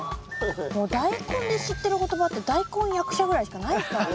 もう大根で知ってる言葉って大根役者ぐらいしかないからね。